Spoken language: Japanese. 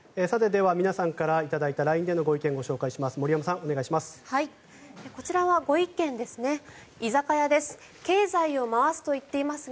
では皆さんから頂いたＬＩＮＥでのご意見ご紹介します。